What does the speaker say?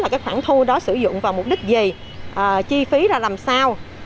cái khoản thu đó sử dụng vào mục đích gì chi phí ra làm sao